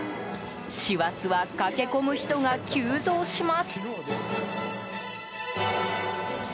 師走は駆け込む人が急増します。